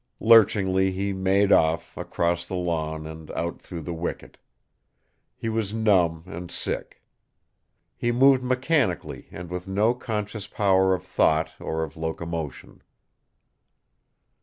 Lurchingly he made off, across the lawn and out through the wicket. He was numb and sick. He moved mechanically and with no conscious power of thought or of locomotion.